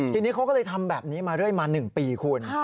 ทีนี้เขาก็เลยทำแบบนี้มาเรื่อยมา๑ปีคุณ